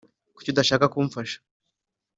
Kuki udashaka kumfasha